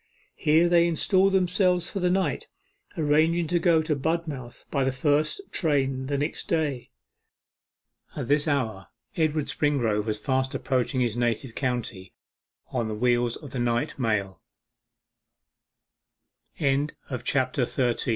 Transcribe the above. Here they installed themselves for the night, arranging to go to Budmouth by the first train the next day. At this hour Edward Springrove was fast approaching his native county on the wheels of the n